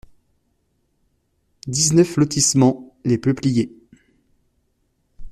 dix-neuf lotissement Les Peupliers